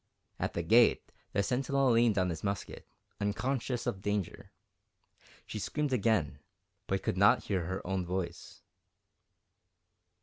At the gate the sentinel leaned on his musket, unconscious of danger. She screamed again, but could not hear her own voice.